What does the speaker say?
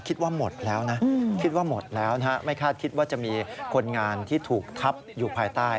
คิดว่าหมดแล้วไม่คาดคิดว่าจะมีคนงานที่ถูกทับอยู่ภายใต้